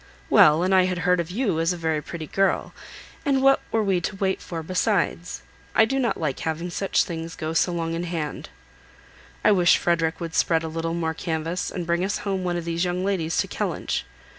"Well, and I had heard of you as a very pretty girl, and what were we to wait for besides? I do not like having such things so long in hand. I wish Frederick would spread a little more canvass, and bring us home one of these young ladies to Kellynch.